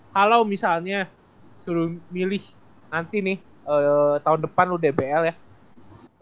kalau misalnya suruh milih nanti nih tahun depan lu dbl ya